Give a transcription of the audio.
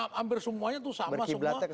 hampir semuanya itu sama